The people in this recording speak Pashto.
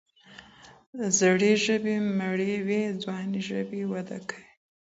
زړې ژبې مړې وي، ځوانې ژبې وده کوي.